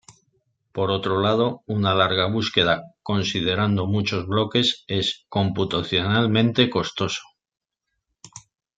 Por otro lado, una larga búsqueda considerando muchos bloques es computacionalmente costoso.